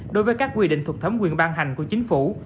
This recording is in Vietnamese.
đối với các quy định thuộc thấm quyền ban hành của chính phủ